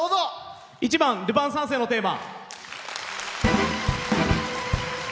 １番「ルパン三世のテーマ」。